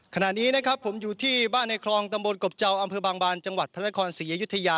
ขณะนี้นะครับผมอยู่ที่บ้านในคลองตำบลกบเจ้าอำเภอบางบานจังหวัดพระนครศรีอยุธยา